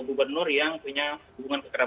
gubernur yang punya hubungan